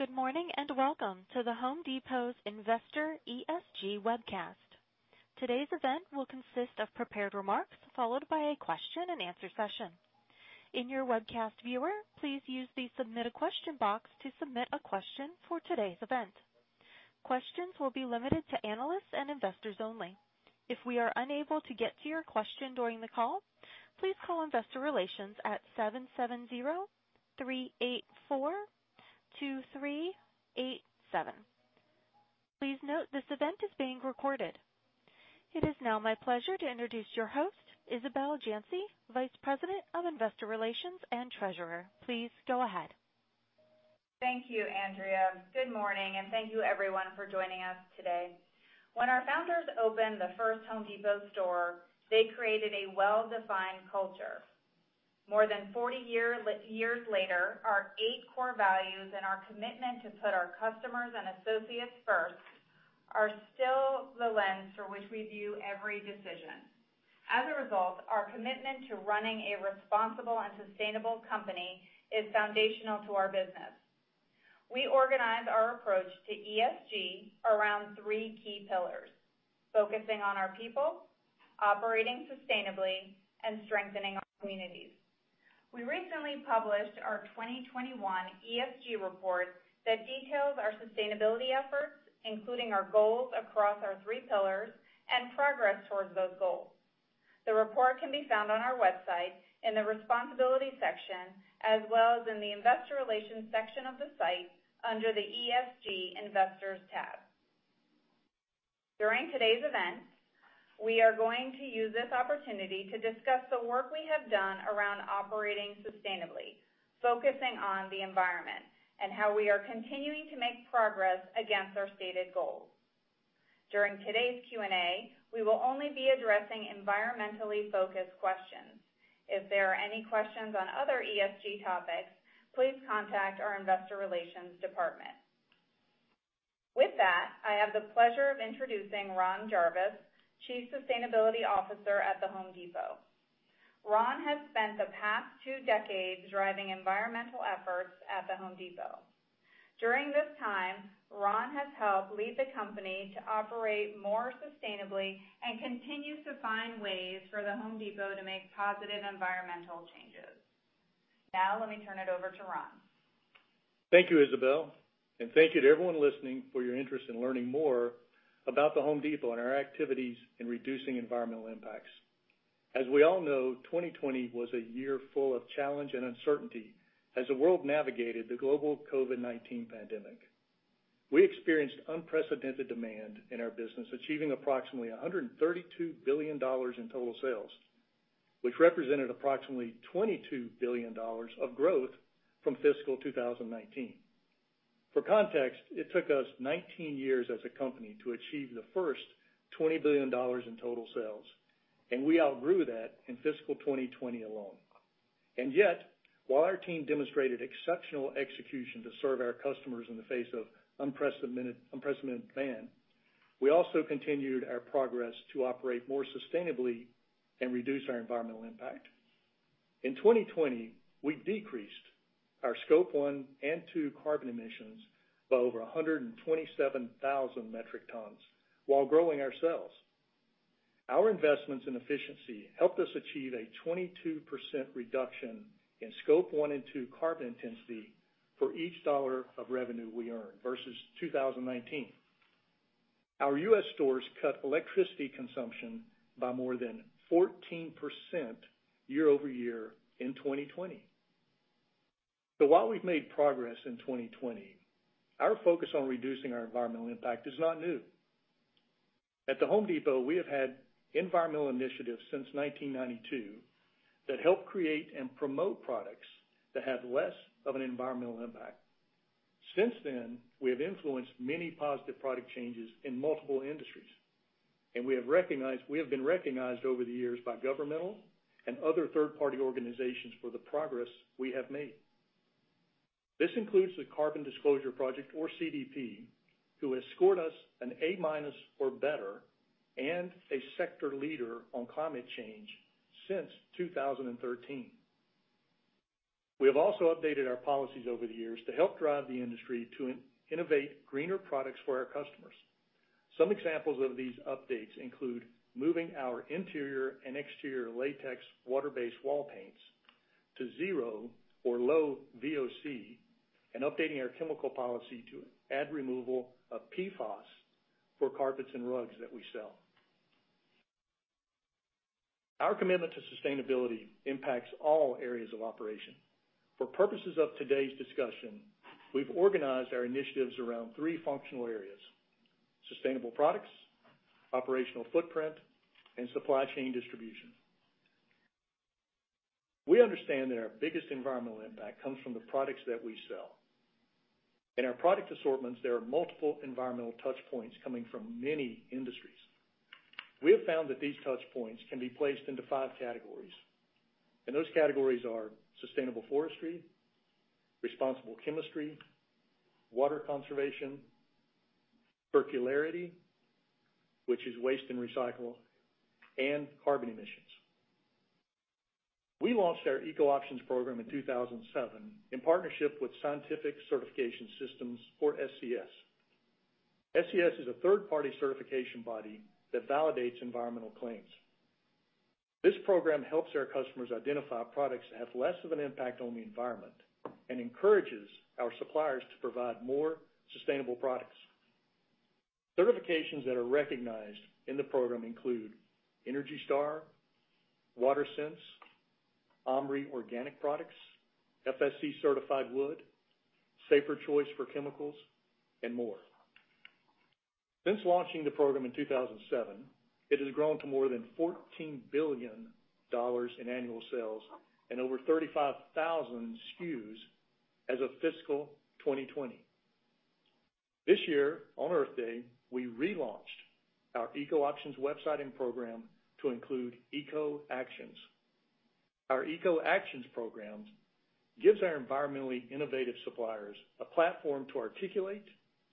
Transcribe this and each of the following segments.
Good morning, and welcome to The Home Depot's Investor ESG Webcast. Today's event will consist of prepared remarks, followed by a question-and-answer session. In your webcast viewer, please use the Submit a Question box to submit a question for today's event. Questions will be limited to analysts and investors only. If we are unable to get to your question during the call, please call Investor Relations at 770-384-2387. Please note, this event is being recorded. It is now my pleasure to introduce your host, Isabel Janci, Vice President of Investor Relations and Treasurer. Please go ahead. Thank you, Andrea. Good morning. Thank you everyone for joining us today. When our founders opened the first Home Depot store, they created a well-defined culture. More than 40 years later, our eight core values and our commitment to put our customers and associates first are still the lens through which we view every decision. As a result, our commitment to running a responsible and sustainable company is foundational to our business. We organize our approach to ESG around three key pillars, focusing on our people, operating sustainably, and strengthening our communities. We recently published our 2021 ESG report that details our sustainability efforts, including our goals across our three pillars and progress towards those goals. The report can be found on our website in the responsibility section, as well as in the investor relations section of the site under the ESG Investors tab. During today's event, we are going to use this opportunity to discuss the work we have done around operating sustainably, focusing on the environment, and how we are continuing to make progress against our stated goals. During today's Q&A, we will only be addressing environmentally focused questions. If there are any questions on other ESG topics, please contact our Investor Relations department. With that, I have the pleasure of introducing Ron Jarvis, Chief Sustainability Officer at The Home Depot. Ron has spent the past two decades driving environmental efforts at The Home Depot. During this time, Ron has helped lead the company to operate more sustainably and continues to find ways for The Home Depot to make positive environmental changes. Now, let me turn it over to Ron. Thank you, Isabel, and thank you to everyone listening for your interest in learning more about The Home Depot and our activities in reducing environmental impacts. As we all know, 2020 was a year full of challenge and uncertainty as the world navigated the global COVID-19 pandemic. We experienced unprecedented demand in our business, achieving approximately $132 billion in total sales, which represented approximately $22 billion of growth from fiscal 2019. For context, it took us 19 years as a company to achieve the first $20 billion in total sales, and we outgrew that in fiscal 2020 alone. Yet, while our team demonstrated exceptional execution to serve our customers in the face of unprecedented demand, we also continued our progress to operate more sustainably and reduce our environmental impact. In 2020, we decreased our Scope 1 and 2 carbon emissions by over 127,000 metric tons while growing our sales. Our investments in efficiency helped us achieve a 22% reduction in Scope 1 and 2 carbon intensity for each dollar of revenue we earn versus 2019. Our U.S. stores cut electricity consumption by more than 14% year-over-year in 2020. While we've made progress in 2020, our focus on reducing our environmental impact is not new. At The Home Depot, we have had environmental initiatives since 1992 that help create and promote products that have less of an environmental impact. Since then, we have influenced many positive product changes in multiple industries, and we have been recognized over the years by governmental and other third-party organizations for the progress we have made. This includes the Carbon Disclosure Project, or CDP, who has scored us an A-minus or better, and a sector leader on climate change since 2013. We have also updated our policies over the years to help drive the industry to innovate greener products for our customers. Some examples of these updates include moving our interior and exterior latex water-based wall paints to zero or low VOC, and updating our chemical policy to add removal of PFOS for carpets and rugs that we sell. Our commitment to sustainability impacts all areas of operation. For purposes of today's discussion, we've organized our initiatives around three functional areas: sustainable products, operational footprint, and supply chain distribution. We understand that our biggest environmental impact comes from the products that we sell. In our product assortments, there are multiple environmental touch points coming from many industries. We have found that these touch points can be placed into five categories, and those categories are sustainable forestry, responsible chemistry, water conservation, circularity, which is waste and recycle, and carbon emissions. We launched our Eco Options program in 2007 in partnership with Scientific Certification Systems or SCS. SCS is a third-party certification body that validates environmental claims. This program helps our customers identify products that have less of an impact on the environment and encourages our suppliers to provide more sustainable products. Certifications that are recognized in the program include Energy Star, WaterSense, OMRI Organic Products, FSC Certified Wood, Safer Choice for Chemicals, and more. Since launching the program in 2007, it has grown to more than $14 billion in annual sales and over 35,000 SKUs as of fiscal 2020. This year, on Earth Day, we relaunched our Eco Options website and program to include Eco Actions. Our Eco Actions program gives our environmentally innovative suppliers a platform to articulate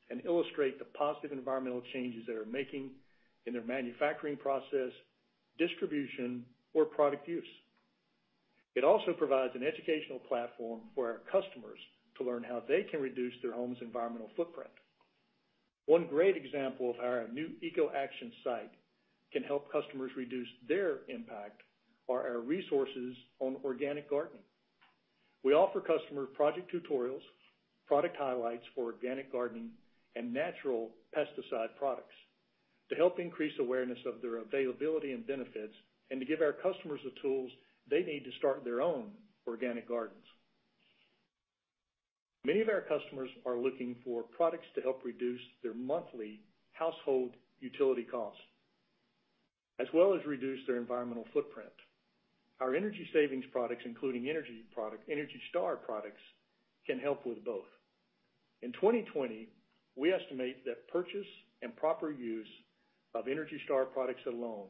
and illustrate the positive environmental changes they are making in their manufacturing process, distribution, or product use. It also provides an educational platform for our customers to learn how they can reduce their home's environmental footprint. One great example of how our new Eco Actions site can help customers reduce their impact are our resources on organic gardening. We offer customers project tutorials, product highlights for organic gardening, and natural pesticide products to help increase awareness of their availability and benefits, and to give our customers the tools they need to start their own organic gardens. Many of our customers are looking for products to help reduce their monthly household utility costs, as well as reduce their environmental footprint. Our energy savings products, including energy product, Energy Star products, can help with both. In 2020, we estimate that purchase and proper use of Energy Star products alone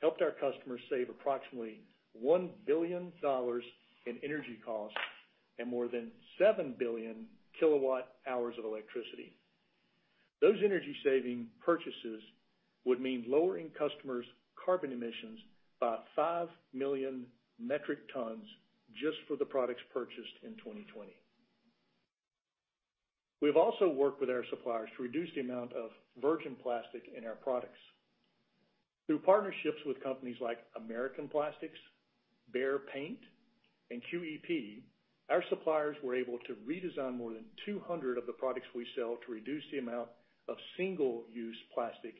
helped our customers save approximately $1 billion in energy costs and more than 7 billion kW hours of electricity. Those energy saving purchases would mean lowering customers' carbon emissions by 5 million metric tons just for the products purchased in 2020. We've also worked with our suppliers to reduce the amount of virgin plastic in our products. Through partnerships with companies like American Plastics, Behr Paint, and QEP, our suppliers were able to redesign more than 200 of the products we sell to reduce the amount of single-use plastic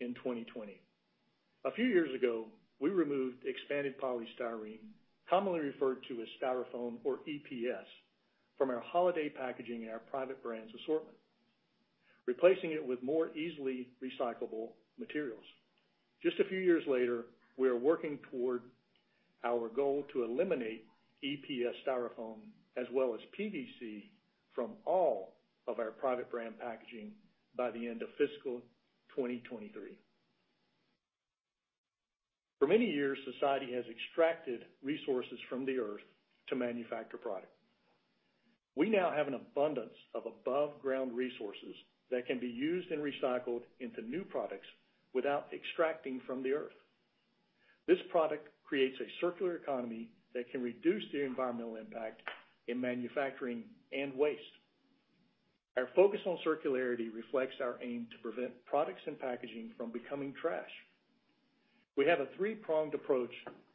in 2020. A few years ago, we removed expanded polystyrene, commonly referred to as Styrofoam or EPS, from our holiday packaging and our private brands assortment, replacing it with more easily recyclable materials. Just a few years later, we are working toward our goal to eliminate EPS Styrofoam as well as PVC from all of our private brand packaging by the end of fiscal 2023. For many years, society has extracted resources from the Earth to manufacture product. We now have an abundance of above ground resources that can be used and recycled into new products without extracting from the Earth. This product creates a circular economy that can reduce the environmental impact in manufacturing and waste. Our focus on circularity reflects our aim to prevent products and packaging from becoming trash. We have a three-pronged approach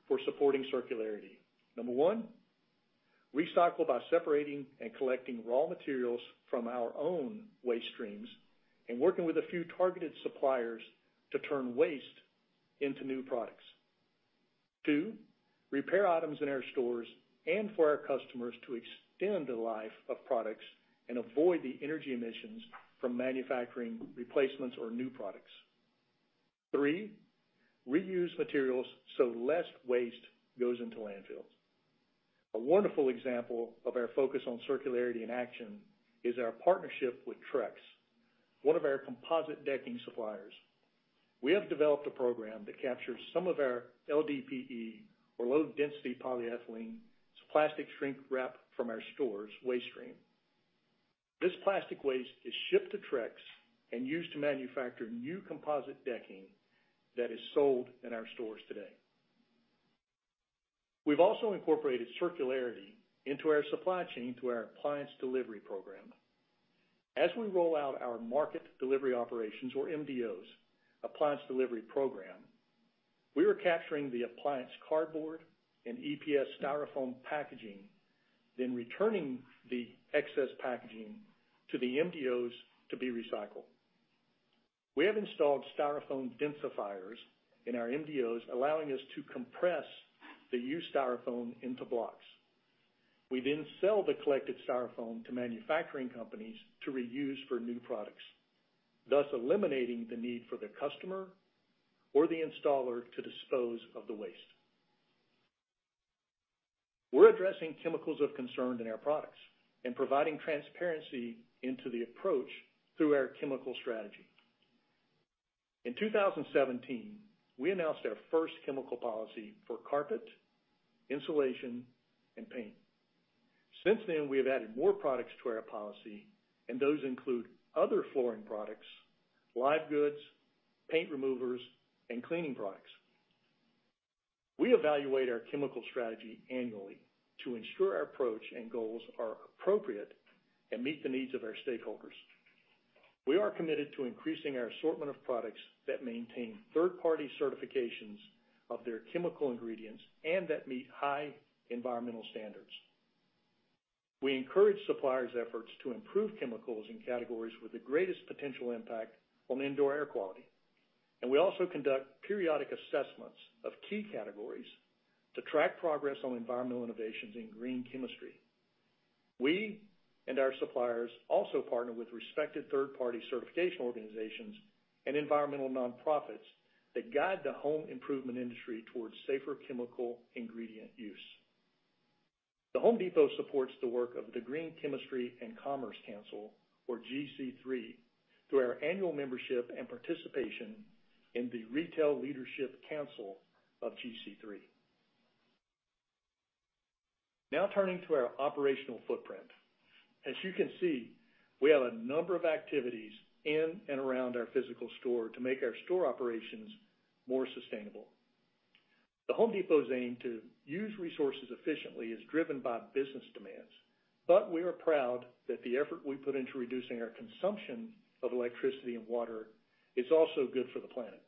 for supporting circularity. Number one, recycle by separating and collecting raw materials from our own waste streams and working with a few targeted suppliers to turn waste into new products. Two, repair items in our stores and for our customers to extend the life of products and avoid the energy emissions from manufacturing replacements or new products. Three, reuse materials so less waste goes into landfills. A wonderful example of our focus on circularity in action is our partnership with Trex, one of our composite decking suppliers. We have developed a program that captures some of our LDPE, or low-density polyethylene, it's plastic shrink wrap from our stores' waste stream. This plastic waste is shipped to Trex and used to manufacture new composite decking that is sold in our stores today. We've also incorporated circularity into our supply chain through our appliance delivery program. As we roll out our Market Delivery Operations, or MDOs, appliance delivery program, we are capturing the appliance cardboard and EPS Styrofoam packaging, returning the excess packaging to the MDOs to be recycled. We have installed Styrofoam densifiers in our MDOs, allowing us to compress the used Styrofoam into blocks. We then sell the collected Styrofoam to manufacturing companies to reuse for new products, thus eliminating the need for the customer or the installer to dispose of the waste. We're addressing chemicals of concern in our products and providing transparency into the approach through our chemical strategy. In 2017, we announced our first chemical policy for carpet, insulation, and paint. Since then, we have added more products to our policy, and those include other flooring products, live goods, paint removers, and cleaning products. We evaluate our chemical strategy annually to ensure our approach and goals are appropriate and meet the needs of our stakeholders. We are committed to increasing our assortment of products that maintain third-party certifications of their chemical ingredients and that meet high environmental standards. We encourage suppliers' efforts to improve chemicals in categories with the greatest potential impact on indoor air quality, and we also conduct periodic assessments of key categories to track progress on environmental innovations in green chemistry. We and our suppliers also partner with respected third-party certification organizations and environmental nonprofits that guide the home improvement industry towards safer chemical ingredient use. The Home Depot supports the work of the Green Chemistry & Commerce Council, or GC3, through our annual membership and participation in the Retail Leadership Council of GC3. Now turning to our operational footprint. As you can see, we have a number of activities in and around our physical store to make our store operations more sustainable. The Home Depot's aim to use resources efficiently is driven by business demands. We are proud that the effort we put into reducing our consumption of electricity and water is also good for the planet.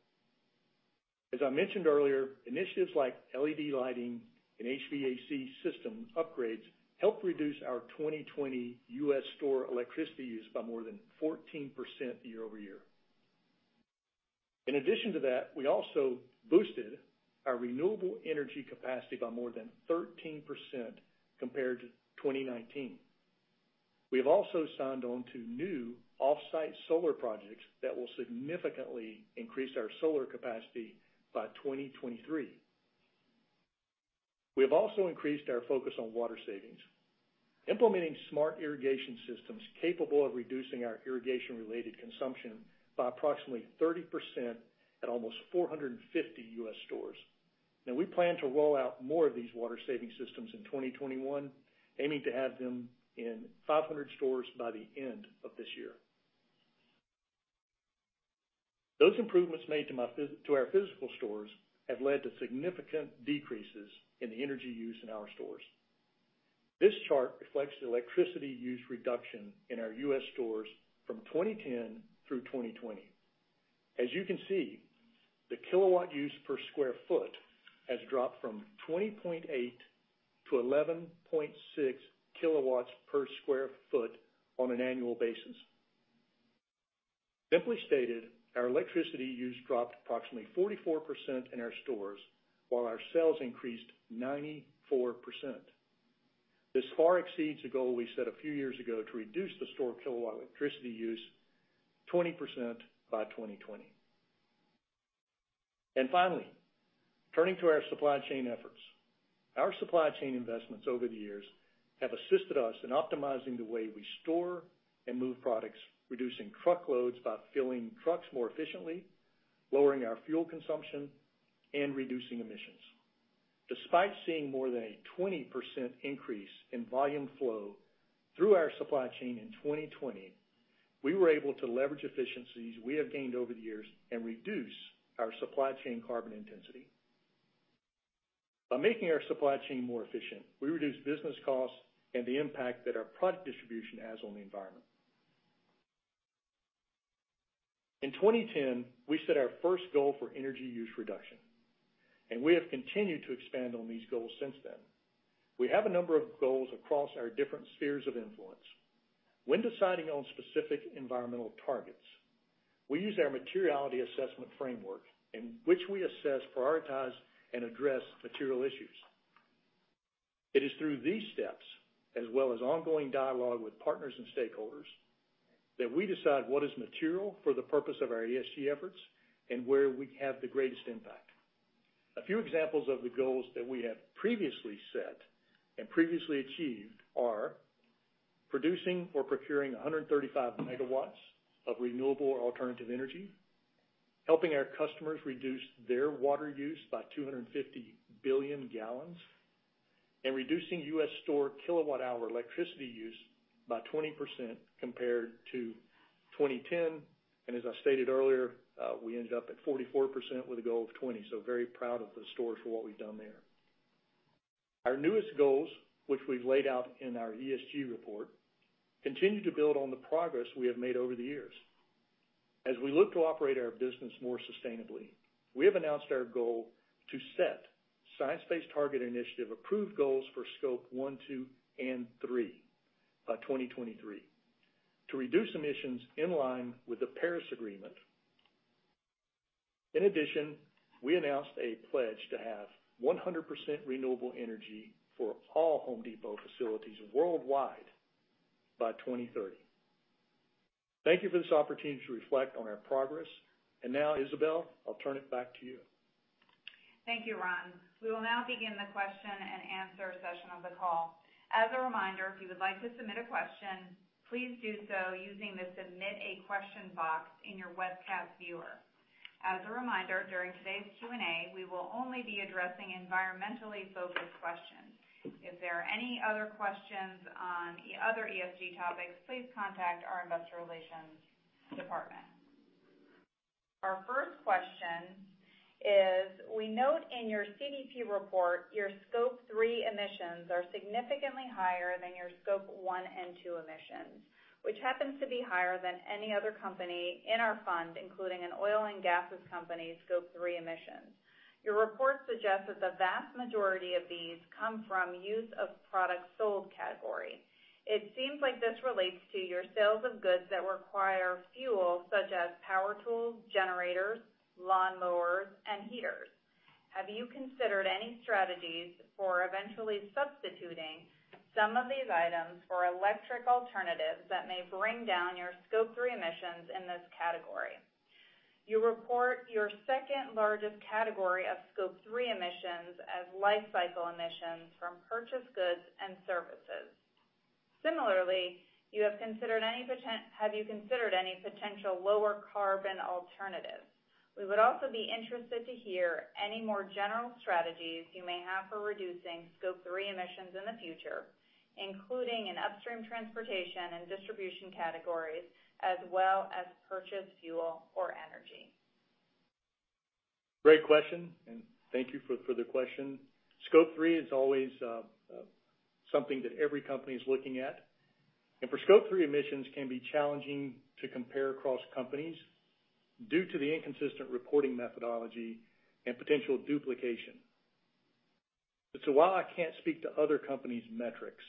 As I mentioned earlier, initiatives like LED lighting and HVAC system upgrades helped reduce our 2020 U.S. store electricity use by more than 14% year-over-year. In addition to that, we also boosted our renewable energy capacity by more than 13% compared to 2019. We have also signed on to new off-site solar projects that will significantly increase our solar capacity by 2023. We have also increased our focus on water savings, implementing smart irrigation systems capable of reducing our irrigation-related consumption by approximately 30% at almost 450 U.S. stores. We plan to roll out more of these water-saving systems in 2021, aiming to have them in 500 stores by the end of this year. Those improvements made to our physical stores have led to significant decreases in the energy use in our stores. This chart reflects the electricity use reduction in our U.S. stores from 2010 through 2020. As you can see, the kilowatt use per square foot has dropped from 20.8 kW to 11.6 kW per sq ft on an annual basis. Simply stated, our electricity use dropped approximately 44% in our stores while our sales increased 94%. This far exceeds the goal we set a few years ago to reduce the store kilowatt electricity use 20% by 2020. Finally, turning to our supply chain efforts. Our supply chain investments over the years have assisted us in optimizing the way we store and move products, reducing truckloads by filling trucks more efficiently, lowering our fuel consumption, and reducing emissions. Despite seeing more than a 20% increase in volume flow through our supply chain in 2020, we were able to leverage efficiencies we have gained over the years and reduce our supply chain carbon intensity. By making our supply chain more efficient, we reduce business costs and the impact that our product distribution has on the environment. In 2010, we set our first goal for energy use reduction, and we have continued to expand on these goals since then. We have a number of goals across our different spheres of influence. When deciding on specific environmental targets, we use our materiality assessment framework in which we assess, prioritize, and address material issues. It is through these steps, as well as ongoing dialogue with partners and stakeholders, that we decide what is material for the purpose of our ESG efforts and where we have the greatest impact. A few examples of the goals that we have previously set and previously achieved are producing or procuring 135 MW of renewable or alternative energy, helping our customers reduce their water use by 250 billion gallons, and reducing U.S. store kilowatt-hour electricity use by 20% compared to 2010. As I stated earlier, we ended up at 44% with a goal of 20%, so very proud of the stores for what we've done there. Our newest goals, which we've laid out in our ESG report, continue to build on the progress we have made over the years. As we look to operate our business more sustainably, we have announced our goal to set Science Based Targets initiative approved goals for Scope 1, 2, and 3 by 2023 to reduce emissions in line with the Paris Agreement. In addition, we announced a pledge to have 100% renewable energy for all Home Depot facilities worldwide by 2030. Thank you for this opportunity to reflect on our progress. Now, Isabel, I'll turn it back to you. Thank you, Ron. We will now begin the question-and-answer session of the call. As a reminder, if you would like to submit a question, please do so using the Submit a Question box in your webcast viewer. As a reminder, during today's Q&A, we will only be addressing environmentally focused questions. If there are any other questions on other ESG topics, please contact our investor relations department. Our first question is: We note in your CDP report your Scope 3 emissions are significantly higher than your Scope 1 and 2 emissions, which happens to be higher than any other company in our fund, including an oil and gas company's Scope 3 emissions. Your report suggests that the vast majority of these come from use of products sold category. It seems like this relates to your sales of goods that require fuel, such as power tools, generators, lawnmowers, and heaters. Have you considered any strategies for eventually substituting some of these items for electric alternatives that may bring down your Scope 3 emissions in this category? You report your second-largest category of Scope 3 emissions as life cycle emissions from purchased goods and services. Similarly, have you considered any potential lower carbon alternatives? We would also be interested to hear any more general strategies you may have for reducing Scope 3 emissions in the future, including in upstream transportation and distribution categories, as well as purchased fuel or energy. Great question, thank you for the question. Scope 3 is always something that every company is looking at. For Scope 3, emissions can be challenging to compare across companies due to the inconsistent reporting methodology and potential duplication. While I can't speak to other company's metrics,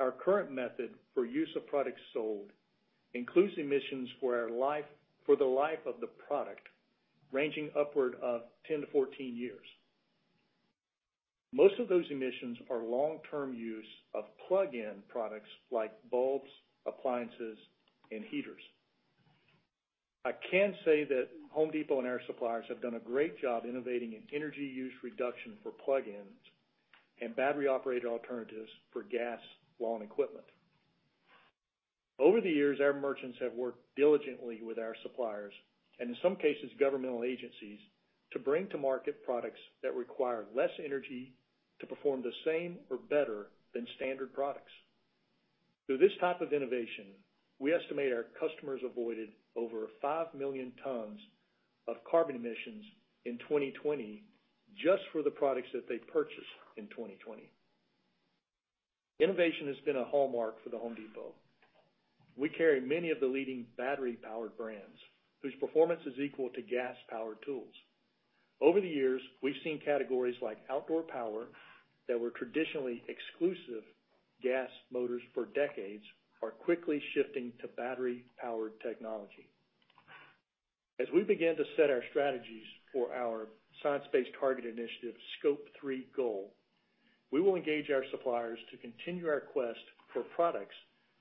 our current method for use of products sold includes emissions for the life of the product, ranging upward of 10-14 years. Most of those emissions are long-term use of plug-in products like bulbs, appliances, and heaters. I can say that The Home Depot and our suppliers have done a great job innovating in energy use reduction for plug-ins and battery-operated alternatives for gas lawn equipment. Over the years, our merchants have worked diligently with our suppliers, and in some cases governmental agencies, to bring to market products that require less energy to perform the same or better than standard products. Through this type of innovation, we estimate our customers avoided over 5 million tons of carbon emissions in 2020, just for the products that they purchased in 2020. Innovation has been a hallmark for The Home Depot. We carry many of the leading battery-powered brands whose performance is equal to gas-powered tools. Over the years, we've seen categories like outdoor power that were traditionally exclusive gas motors for decades are quickly shifting to battery-powered technology. As we begin to set our strategies for our Science Based Targets initiative Scope 3 goal, we will engage our suppliers to continue our quest for products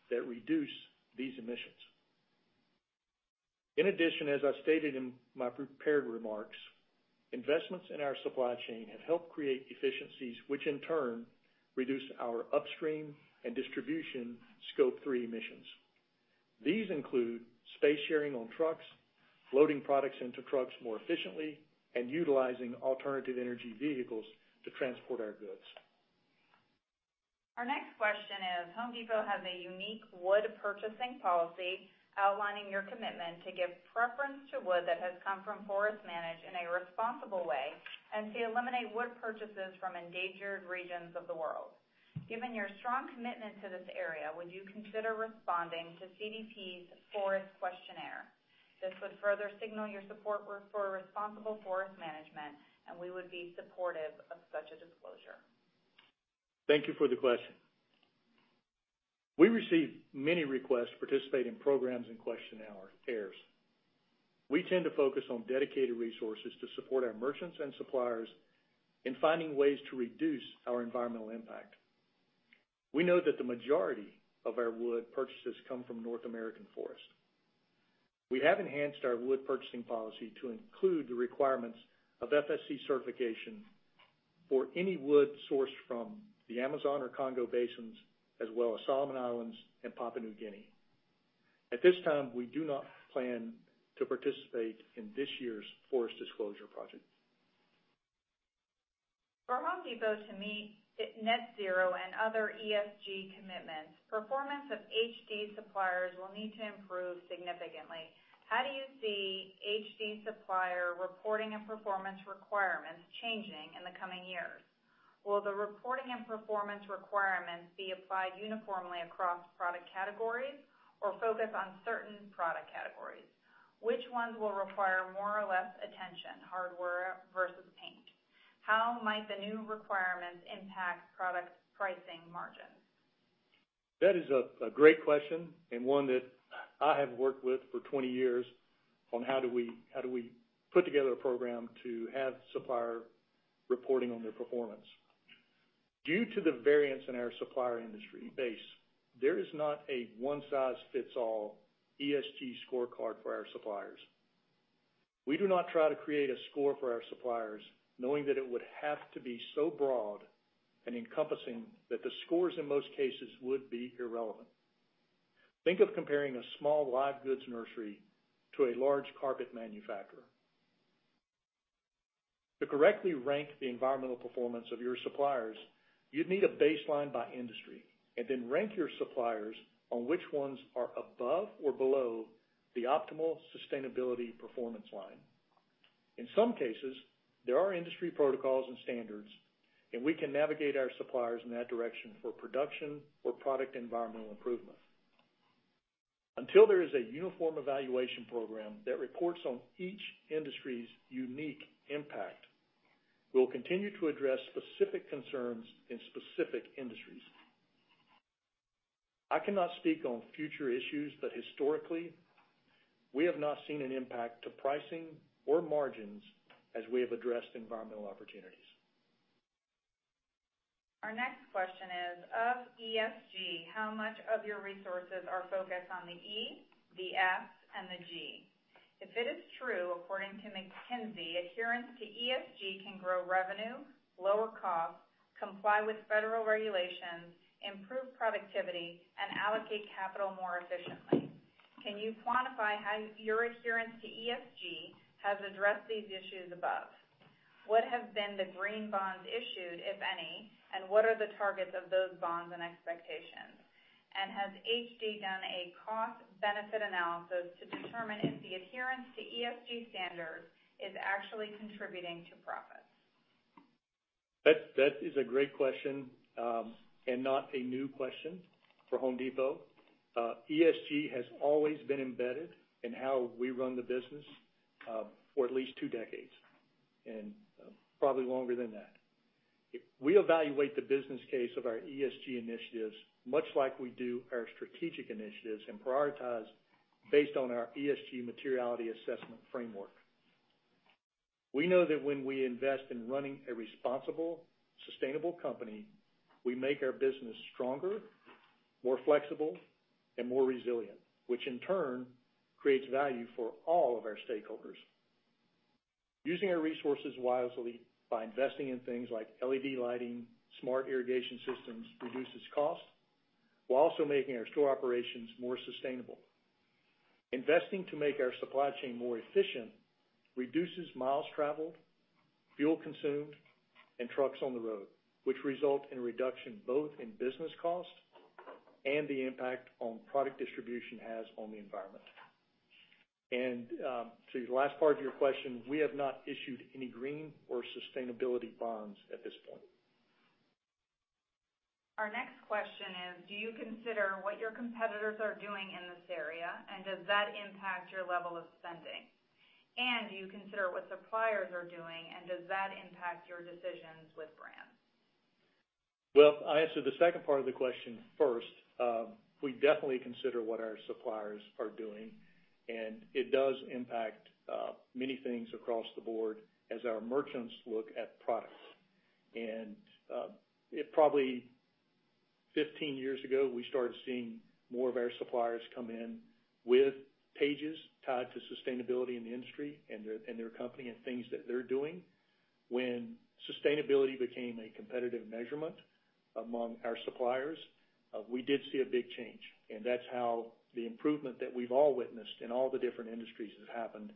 that reduce these emissions. As I stated in my prepared remarks, investments in our supply chain have helped create efficiencies, which in turn reduce our upstream and distribution Scope 3 emissions. These include space sharing on trucks, loading products into trucks more efficiently, and utilizing alternative energy vehicles to transport our goods. Our next question is, The Home Depot has a unique wood purchasing policy outlining your commitment to give preference to wood that has come from forests managed in a responsible way and to eliminate wood purchases from endangered regions of the world. Given your strong commitment to this area, would you consider responding to CDP's forest questionnaire? This would further signal your support for responsible forest management, and we would be supportive of such a disclosure. Thank you for the question. We receive many requests to participate in programs and questionnaires. We tend to focus on dedicated resources to support our merchants and suppliers in finding ways to reduce our environmental impact. We know that the majority of our wood purchases come from North American forests. We have enhanced our wood purchasing policy to include the requirements of FSC certification for any wood sourced from the Amazon or Congo basins, as well as Solomon Islands and Papua New Guinea. At this time, we do not plan to participate in this year's Forest Disclosure Project. For The Home Depot to meet net zero and other ESG commitments, performance of HD suppliers will need to improve significantly. How do you see HD supplier reporting and performance requirements changing in the coming years? Will the reporting and performance requirements be applied uniformly across product categories or focus on certain product categories? Which ones will require more or less attention, hardware versus paint? How might the new requirements impact product pricing margins? That is a great question, and one that I have worked with for 20 years on how do we put together a program to have supplier reporting on their performance. Due to the variance in our supplier industry base, there is not a one-size-fits-all ESG scorecard for our suppliers. We do not try to create a score for our suppliers, knowing that it would have to be so broad and encompassing that the scores in most cases would be irrelevant. Think of comparing a small live goods nursery to a large carpet manufacturer. To correctly rank the environmental performance of your suppliers, you'd need a baseline by industry, and then rank your suppliers on which ones are above or below the optimal sustainability performance line. In some cases, there are industry protocols and standards, and we can navigate our suppliers in that direction for production or product environmental improvement. Until there is a uniform evaluation program that reports on each industry's unique impact, we'll continue to address specific concerns in specific industries. I cannot speak on future issues, but historically, we have not seen an impact to pricing or margins as we have addressed environmental opportunities. Our next question is, of ESG, how much of your resources are focused on the E, the S, and the G? If it is true, according to, McKinsey adherence to ESG can grow revenue, lower costs, comply with federal regulations, improve productivity, and allocate capital more efficiently. Can you quantify how your adherence to ESG has addressed these issues above? What have been the green bonds issued, if any, and what are the targets of those bonds and expectations? Has HD done a cost-benefit analysis to determine if the adherence to ESG standards is actually contributing to profits? That is a great question, and not a new question for The Home Depot. ESG has always been embedded in how we run the business for at least two decades, and probably longer than that. We evaluate the business case of our ESG initiatives much like we do our strategic initiatives and prioritize based on our ESG materiality assessment framework. We know that when we invest in running a responsible, sustainable company, we make our business stronger, more flexible, and more resilient, which in turn creates value for all of our stakeholders. Using our resources wisely by investing in things like LED lighting, smart irrigation systems reduces cost, while also making our store operations more sustainable. Investing to make our supply chain more efficient reduces miles traveled, fuel consumed, and trucks on the road, which result in a reduction both in business cost and the impact on product distribution has on the environment. To the last part of your question, we have not issued any green or sustainability bonds at this point. Our next question is, do you consider what your competitors are doing in this area, and does that impact your level of spending? Do you consider what suppliers are doing, and does that impact your decisions with brands? Well, I answer the second part of the question first. We definitely consider what our suppliers are doing, and it does impact many things across the board as our merchants look at products. Probably 15 years ago, we started seeing more of our suppliers come in with pages tied to sustainability in the industry and their company and things that they're doing. When sustainability became a competitive measurement among our suppliers, we did see a big change, and that's how the improvement that we've all witnessed in all the different industries has happened.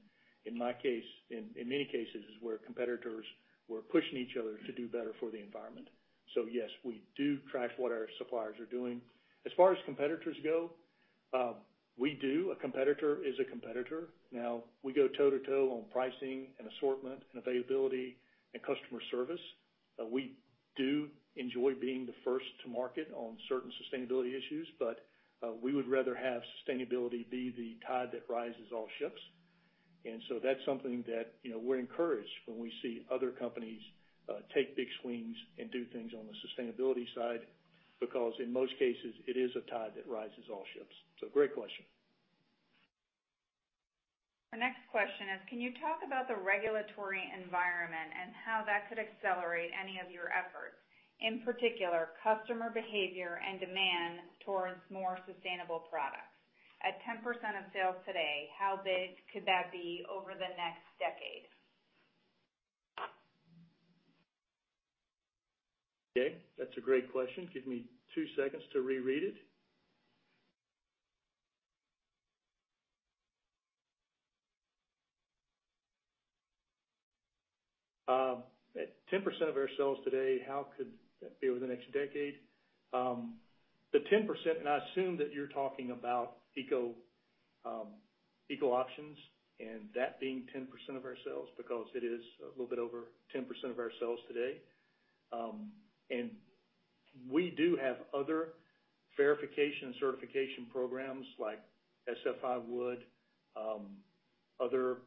In my case, in many cases, is where competitors were pushing each other to do better for the environment. Yes, we do track what our suppliers are doing. As far as competitors go, we do. A competitor is a competitor. Now we go toe to toe on pricing and assortment and availability and customer service. We do enjoy being the first to market on certain sustainability issues, but we would rather have sustainability be the tide that rises all ships. That's something that we're encouraged when we see other companies take big swings and do things on the sustainability side because in most cases it is a tide that rises all ships. Great question. The next question is, can you talk about the regulatory environment and how that could accelerate any of your efforts, in particular customer behavior and demand towards more sustainable products? At 10% of sales today, how big could that be over the next decade? Okay. That's a great question. Give me two seconds to reread it. At 10% of our sales today, how could that be over the next decade? The 10%, I assume that you're talking about Eco, Eco Options and that being 10% of our sales because it is a little bit over 10% of our sales today. We do have other verification certification programs like SFI Wood, other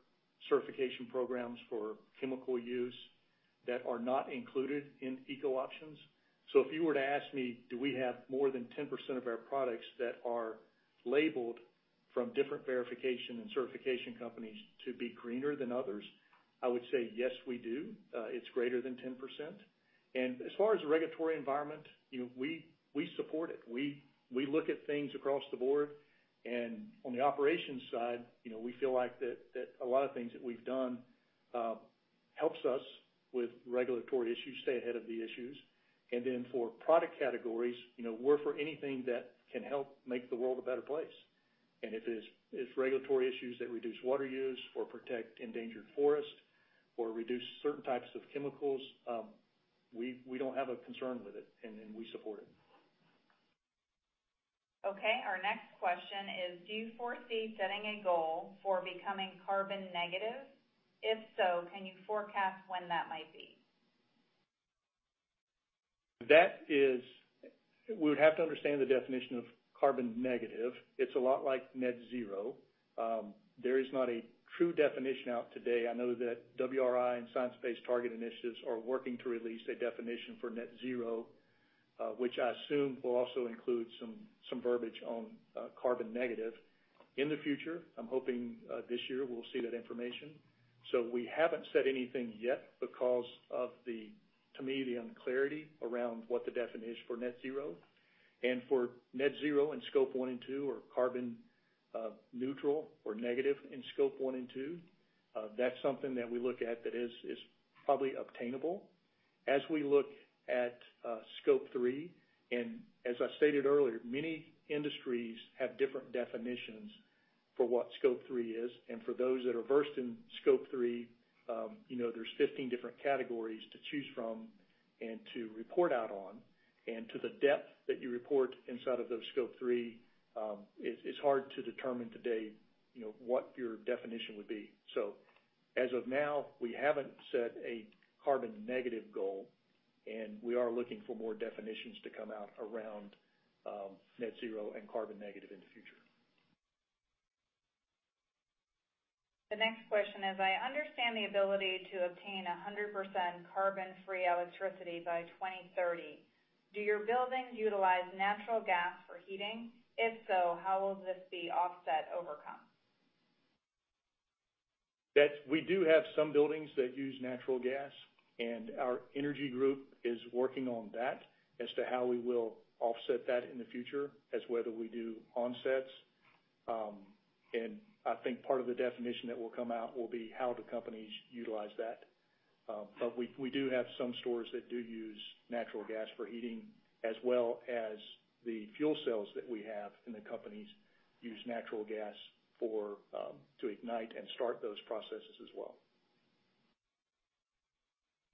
certification programs for chemical use that are not included in Eco Options. If you were to ask me, do we have more than 10% of our products that are labeled from different verification and certification companies to be greener than others, I would say, yes, we do. It's greater than 10%. As far as the regulatory environment, we support it. We look at things across the board. On the operations side, we feel like that a lot of things that we've done helps us with regulatory issues, stay ahead of the issues. For product categories, we're for anything that can help make the world a better place. If it's regulatory issues that reduce water use or protect endangered forests or reduce certain types of chemicals, we don't have a concern with it, and we support it. Okay, our next question is: do you foresee setting a goal for becoming carbon negative? If so, can you forecast when that might be? That is... We would have to understand the definition of carbon negative. It's a lot like net zero. There is not a true definition out today. I know that WRI and Science Based Targets initiative are working to release a definition for net zero, which I assume will also include some verbiage on carbon negative. In the future, I'm hoping this year we'll see that information. We haven't said anything yet because of the, to me, the unclarity around what the definition is for net zero. For net zero in Scope 1 and 2 or carbon neutral or negative in Scope 1 and 2, that's something that we look at that is probably obtainable. As we look at Scope 3, and as I stated earlier, many industries have different definitions for what Scope 3 is. For those that are versed in Scope 3, there's 15 different categories to choose from and to report out on. To the depth that you report inside of those Scope 3, it's hard to determine today what your definition would be. As of now, we haven't set a carbon negative goal, and we are looking for more definitions to come out around net zero and carbon negative in the future. The next question is: I understand the ability to obtain 100% carbon-free electricity by 2030. Do your buildings utilize natural gas for heating? If so, how will this be offset/overcome? We do have some buildings that use natural gas, and our energy group is working on that as to how we will offset that in the future as whether we do offsets. I think part of the definition that will come out will be how do companies utilize that. We do have some stores that do use natural gas for heating, as well as the fuel cells that we have in the companies use natural gas to ignite and start those processes as well.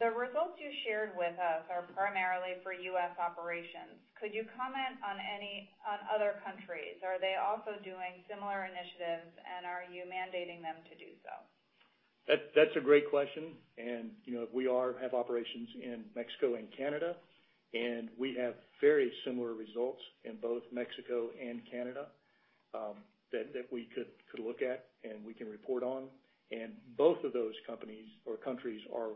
The results you shared with us are primarily for U.S. operations. Could you comment on other countries? Are they also doing similar initiatives, and are you mandating them to do so? That's a great question. We have operations in Mexico and Canada, and we have very similar results in both Mexico and Canada that we could look at and we can report on. Both of those companies or countries are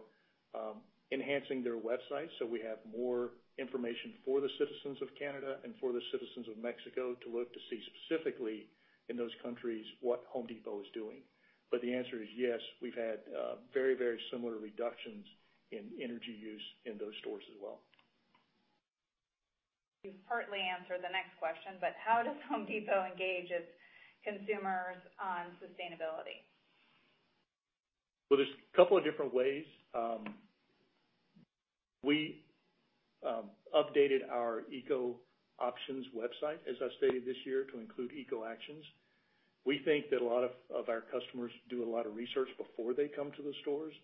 enhancing their websites, so we have more information for the citizens of Canada and for the citizens of Mexico to look to see specifically in those countries what The Home Depot is doing. But the answer is yes, we've had very similar reductions in energy use in those stores as well. You've partly answered the next question, but how does The Home Depot engage its consumers on sustainability? There's a couple of different ways. We updated our Eco Options website, as I stated this year, to include Eco Actions. We think that a lot of our customers do a lot of research before they come to the stores,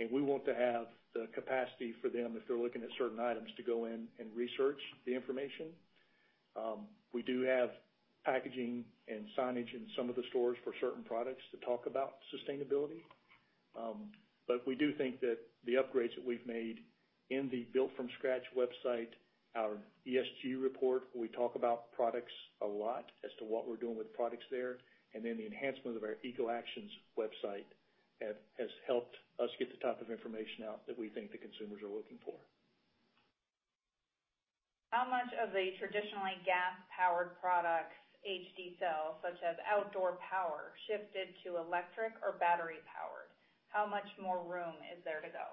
and we want to have the capacity for them, if they're looking at certain items, to go in and research the information. We do have packaging and signage in some of the stores for certain products to talk about sustainability. We do think that the upgrades that we've made in the Built from Scratch website, our ESG report, where we talk about products a lot as to what we're doing with products there, and then the enhancement of our Eco Actions website has helped us get the type of information out that we think the consumers are looking for. How much of the traditionally gas-powered products HD sells, such as outdoor power, shifted to electric or battery power? How much more room is there to go?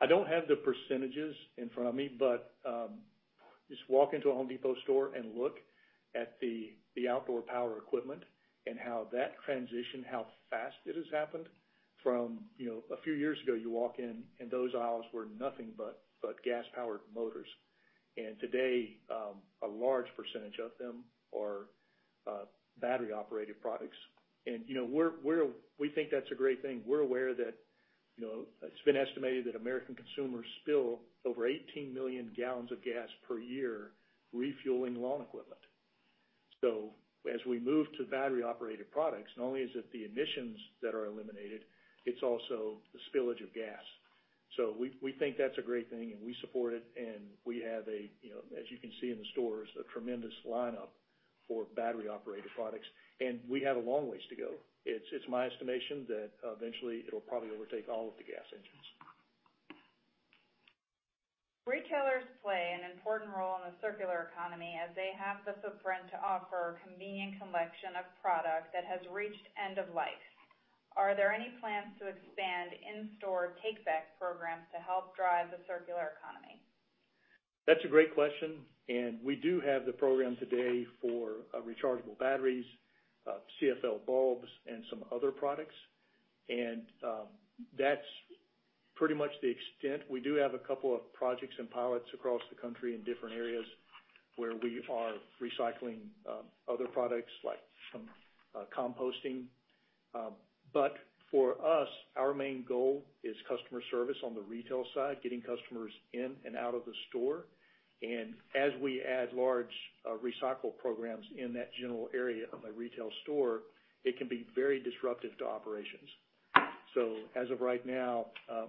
I don't have the percentages in front of me. Just walk into a The Home Depot store and look at the outdoor power equipment and how that transition, how fast it has happened from a few years ago, you walk in and those aisles were nothing but gas-powered motors. Today, a large percentage of them are battery-operated products. We think that's a great thing. We're aware that it's been estimated that American consumers spill over 18 million gallons of gas per year refueling lawn equipment. As we move to battery-operated products, not only is it the emissions that are eliminated, it's also the spillage of gas. We think that's a great thing, and we support it, and we have, as you can see in the stores, a tremendous lineup for battery-operated products, and we have a long ways to go. It's my estimation that eventually it'll probably overtake all of the gas engines. Retailers play an important role in a circular economy as they have the footprint to offer convenient collection of product that has reached end of life. Are there any plans to expand in-store take-back programs to help drive the circular economy? That's a great question. We do have the program today for rechargeable batteries, CFL bulbs, and some other products. That's pretty much the extent. We do have a couple of projects and pilots across the country in different areas where we are recycling other products, like some composting. For us, our main goal is customer service on the retail side, getting customers in and out of the store. As we add large recycle programs in that general area of a retail store, it can be very disruptive to operations. As of right now,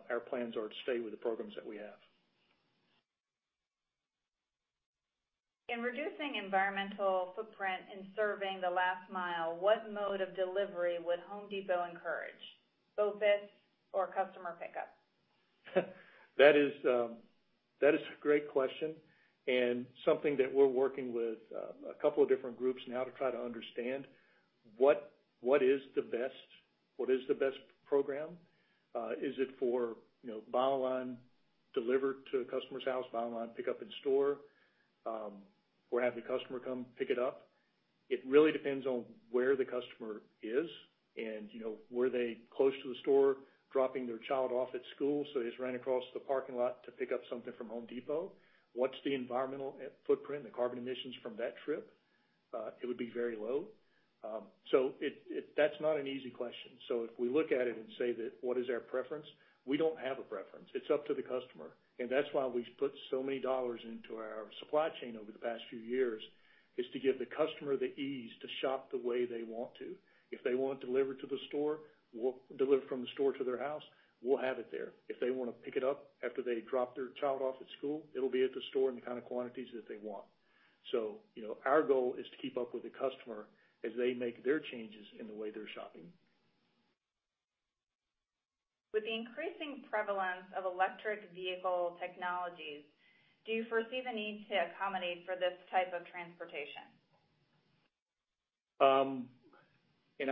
our plans are to stay with the programs that we have. In reducing environmental footprint in serving the last mile, what mode of delivery would The Home Depot encourage, BOPIS or customer pickup? That is a great question, and something that we're working with a couple of different groups now to try to understand what is the best program. Is it for buy online, deliver to the customer's house, buy online, pick up in store, or have the customer come pick it up? It really depends on where the customer is and were they close to the store, dropping their child off at school, so they just ran across the parking lot to pick up something from The Home Depot. What's the environmental footprint, the carbon emissions from that trip? It would be very low. That's not an easy question. If we look at it and say that what is our preference, we don't have a preference. It's up to the customer. That's why we've put so many dollars into our supply chain over the past few years, is to give the customer the ease to shop the way they want to. If they want it delivered from the store to their house, we'll have it there. If they want to pick it up after they drop their child off at school, it'll be at the store in the kind of quantities that they want. Our goal is to keep up with the customer as they make their changes in the way they're shopping. With the increasing prevalence of electric vehicle technologies, do you foresee the need to accommodate for this type of transportation?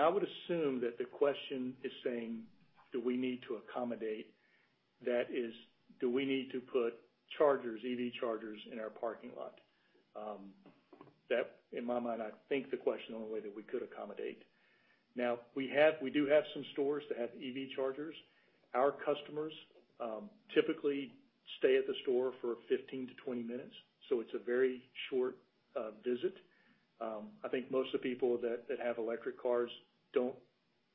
I would assume that the question is saying, do we need to accommodate, that is, do we need to put EV chargers in our parking lot? That, in my mind, I think the question on the way that we could accommodate. Now, we do have some stores that have EV chargers. Our customers typically stay at the store for 15-20 minutes, so it's a very short visit. I think most of the people that have electric cars don't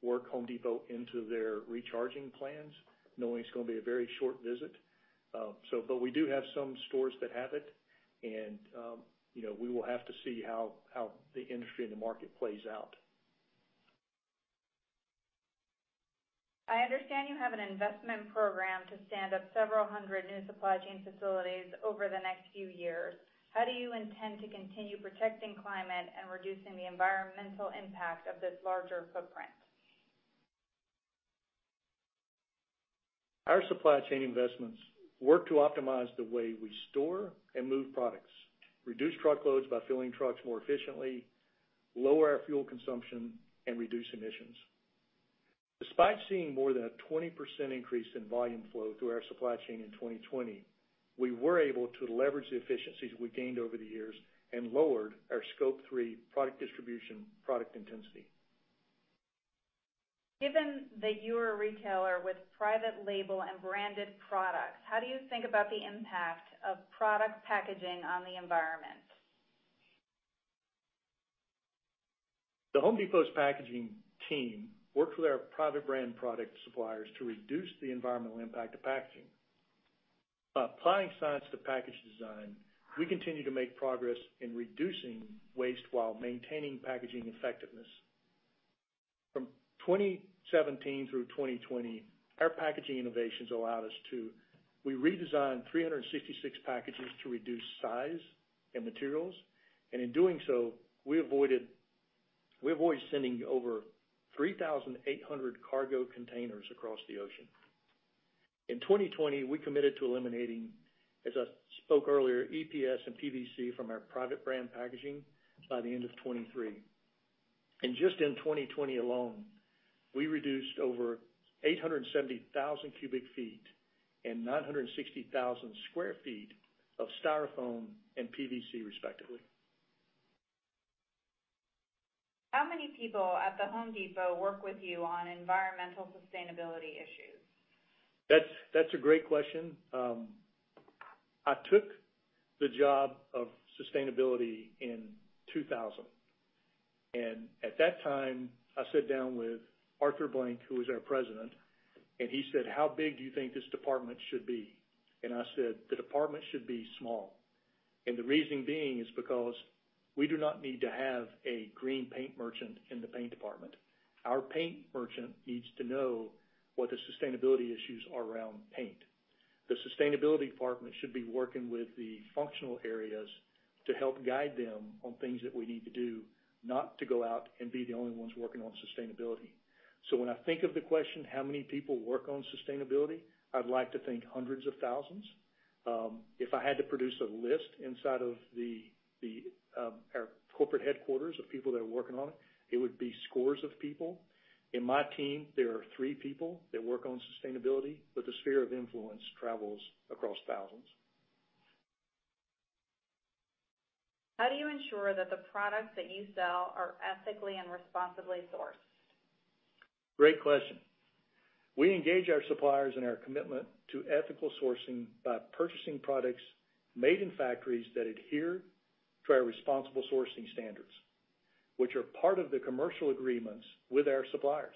work The Home Depot into their recharging plans, knowing it's going to be a very short visit. We do have some stores that have it, and we will have to see how the industry and the market plays out. I understand you have an investment program to stand up several hundred new supply chain facilities over the next few years. How do you intend to continue protecting climate and reducing the environmental impact of this larger footprint? Our supply chain investments work to optimize the way we store and move products, reduce truckloads by filling trucks more efficiently, lower our fuel consumption, and reduce emissions. Despite seeing more than a 20% increase in volume flow through our supply chain in 2020, we were able to leverage the efficiencies we gained over the years and lowered our Scope 3 product distribution product intensity. Given that you are a retailer with private label and branded products, how do you think about the impact of product packaging on the environment? The Home Depot's packaging team works with our private brand product suppliers to reduce the environmental impact of packaging. By applying science to package design, we continue to make progress in reducing waste while maintaining packaging effectiveness. From 2017 through 2020, our packaging innovations allowed us to redesign 366 packages to reduce size and materials. In doing so, we avoided sending over 3,800 cargo containers across the ocean. In 2020, we committed to eliminating, as I spoke earlier, EPS and PVC from our private brand packaging by the end of 2023. Just in 2020 alone, we reduced over 870,000 cu ft and 960,000 sq ft of styrofoam and PVC, respectively. How many people at The Home Depot work with you on environmental sustainability issues? That's a great question. I took the job of sustainability in 2000, and at that time, I sat down with Arthur Blank, who was our President, and he said, "How big do you think this department should be?" I said, "The department should be small." The reason being is because we do not need to have a green paint merchant in the paint department. Our paint merchant needs to know what the sustainability issues are around paint. The sustainability department should be working with the functional areas to help guide them on things that we need to do, not to go out and be the only ones working on sustainability. When I think of the question, how many people work on sustainability, I'd like to think hundreds of thousands. If I had to produce a list inside of our corporate headquarters of people that are working on it would be scores of people. In my team, there are three people that work on sustainability, but the sphere of influence travels across thousands. How do you ensure that the products that you sell are ethically and responsibly sourced? Great question. We engage our suppliers in our commitment to ethical sourcing by purchasing products made in factories that adhere to our responsible sourcing standards, which are part of the commercial agreements with our suppliers.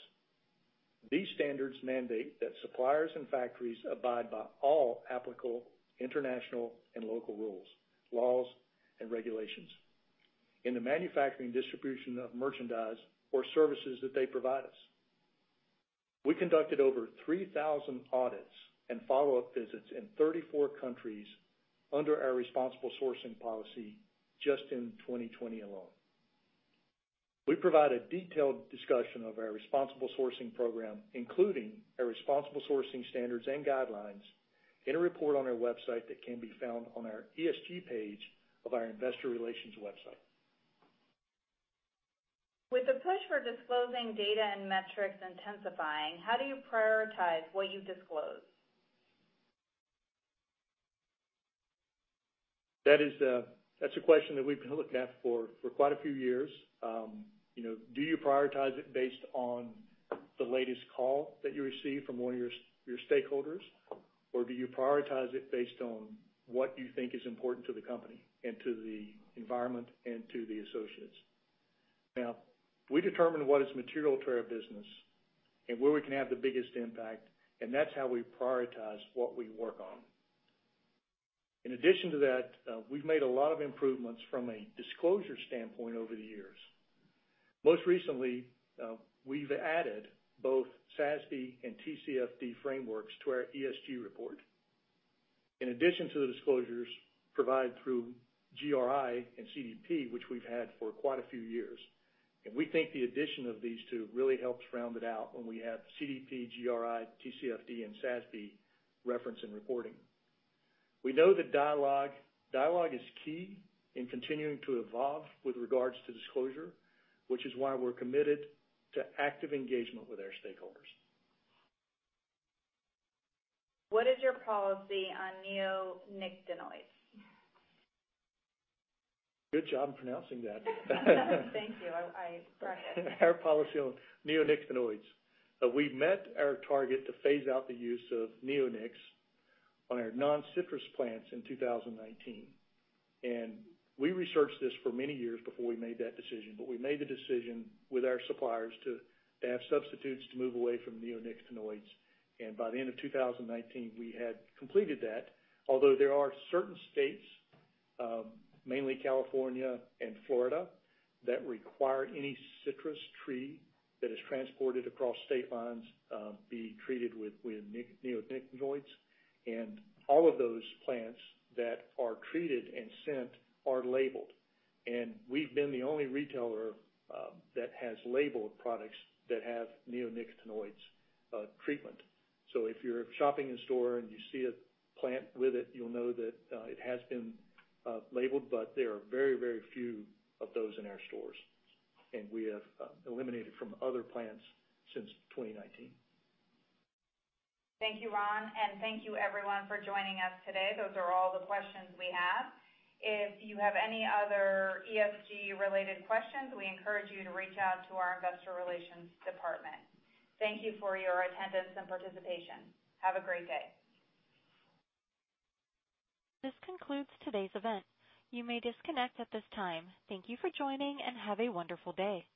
These standards mandate that suppliers and factories abide by all applicable international and local rules, laws, and regulations in the manufacturing, distribution of merchandise or services that they provide us. We conducted over 3,000 audits and follow-up visits in 34 countries under our responsible sourcing policy just in 2020 alone. We provide a detailed discussion of our responsible sourcing program, including our responsible sourcing standards and guidelines, in a report on our website that can be found on our ESG page of our investor relations website. With the push for disclosing data and metrics intensifying, how do you prioritize what you disclose? That's a question that we've been looking at for quite a few years. Do you prioritize it based on the latest call that you receive from one of your stakeholders? Do you prioritize it based on what you think is important to the company and to the environment and to the associates? We determine what is material to our business and where we can have the biggest impact, and that's how we prioritize what we work on. In addition to that, we've made a lot of improvements from a disclosure standpoint over the years. Most recently, we've added both SASB and TCFD frameworks to our ESG report. In addition to the disclosures provided through GRI and CDP, which we've had for quite a few years, and we think the addition of these two really helps round it out when we have CDP, GRI, TCFD, and SASB reference and reporting. We know that dialogue is key in continuing to evolve with regards to disclosure, which is why we're committed to active engagement with our stakeholders. What is your policy on neonicotinoids? Good job pronouncing that. Thank you. I try. Our policy on neonicotinoids. We met our target to phase out the use of neonics on our non-citrus plants in 2019. We researched this for many years before we made that decision, but we made the decision with our suppliers to have substitutes to move away from neonicotinoids. By the end of 2019, we had completed that. Although there are certain states, mainly California and Florida, that require any citrus tree that is transported across state lines be treated with neonicotinoids. All of those plants that are treated and sent are labeled. We've been the only retailer that has labeled products that have neonicotinoids treatment. If you're shopping in store and you see a plant with it, you'll know that it has been labeled, but there are very few of those in our stores. We have eliminated from other plants since 2019. Thank you, Ron, and thank you everyone for joining us today. Those are all the questions we have. If you have any other ESG-related questions, we encourage you to reach out to our investor relations department. Thank you for your attendance and participation. Have a great day. This concludes today's event. You may disconnect at this time. Thank you for joining, and have a wonderful day.